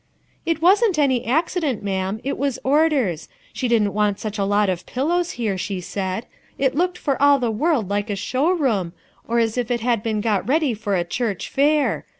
"It wasn't any accident, ma'am, it was orders. She didn't want such a lot of pillows here, she said. It looked for all the world like a show room, or as if it had been got ready for a church fair.